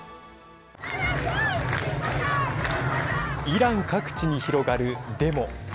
イラン各地に広がるデモ。